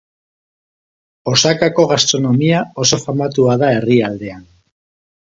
Osakako gastronomia oso famatua da herrialdean.